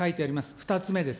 ２つ目です。